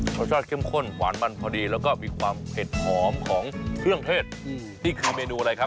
รสชาติเข้มข้นหวานมันพอดีแล้วก็มีความเผ็ดหอมของเครื่องเทศนี่คือเมนูอะไรครับ